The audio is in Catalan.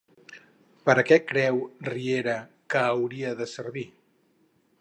Per a què creu Riera que hauria de servir?